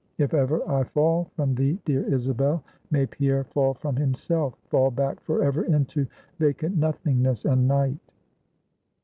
If ever I fall from thee, dear Isabel, may Pierre fall from himself; fall back forever into vacant nothingness and night!"